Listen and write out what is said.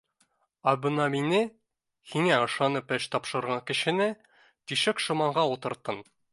Ә бына мине, һиңә ышанып эш тапшырған кешене, тишек шоманға ултырттың